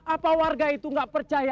apa warga itu nggak percaya